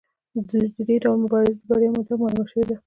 د دې ډول مبارزې د بریا موده معلومه شوې ده.